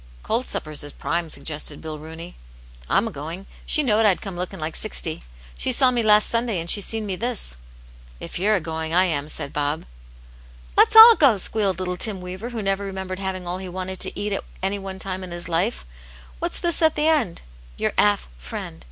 '^ Cold suppers IS prime" sugg^slefii 'BXVV '^oKyciK^. Aunt Jane's Hero. 133 "Tm a going. She knowed I'd comelooking like sixty. She saw me last Sunday, and she seen me this. *' If you're a going, I am," said Bob. *' Let's all go," squealed little Tim Weaver, who never remembered having all he wanted to eat at any one time in his life. " What's this at the end ? Your 'aff.' friend.